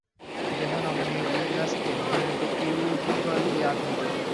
দেহ নমনীয় ইলাস্টিন নির্মিত কিউটিকল দিয়ে আবৃত।